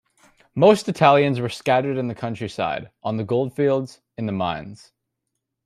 Most Italians were scattered in the countryside, on the goldfields, in the mines.